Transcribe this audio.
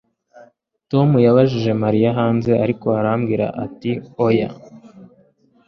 Tom yabajije Mariya hanze ariko arambwira ati oya